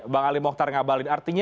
bang ali mohtar ngabalin artinya